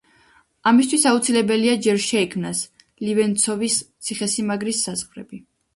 ამისათვის აუცილებელია ჯერ შეიქმნას ლივენცოვის ციხესიმაგრის საზღვრები.